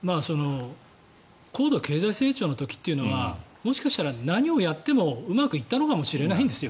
高度経済成長の時っていうのはもしかしたら何をやってもうまくいったかもしれないんです。